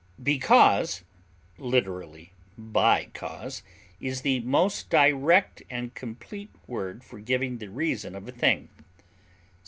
Because, literally by cause, is the most direct and complete word for giving the reason of a thing.